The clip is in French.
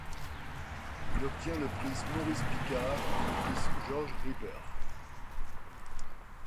Il obtient le prix Maurice Picard et le prix Georges Ripert.